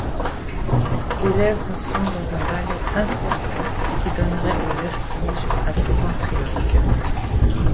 Ses lèvres sont dans un ballet incessant qui donnerait le vertige à tout ventriloque.